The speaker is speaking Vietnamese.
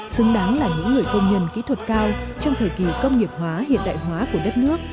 xứng đáng là những người công nhân kỹ thuật cao trong thời kỳ công nghiệp hóa hiện đại hóa của đất nước